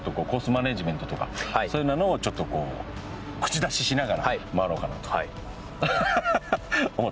マネジメントとかそういうのをちょっとこう口出ししながら回ろうかなと思ってます。